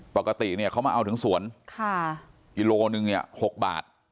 ปกติเนี่ยเขามาเอาถึงสวนกิโลนึงเนี่ย๖บาท